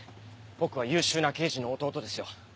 僕は優秀な刑事の弟ですよ。